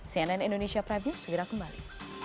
cnn indonesia prime news segera kembali